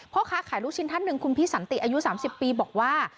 พ่อค้าขายลูกชิ้นท่านหนึ่งคุณพี่สันติอายุ๓๐ปีบอกว่า